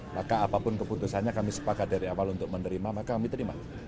maka apapun keputusannya kami sepakat dari awal untuk menerima maka kami terima